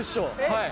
はい。